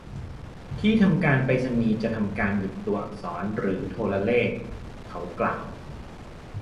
ที่ทำการไปรษณีย์จะทำการหยุดตัวอักษรหรือโทรเลข เขากล่าว